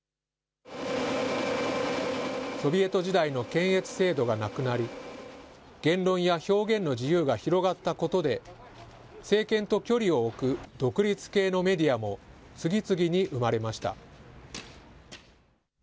ソビエト時代の検閲制度がなくなり、言論や表現の自由が広がったことで、政権と距離を置く独立系のメディアも、次々に生まれました。